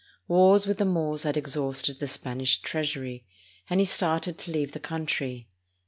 Wars with the Moors had exhausted the Spanish treasury, and he had started to leave the country.